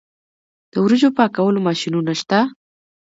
د وریجو پاکولو ماشینونه شته